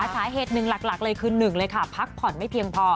สาเหตุหนึ่งหลักเลยคือ๑เลยค่ะพักผ่อนไม่เพียงพอ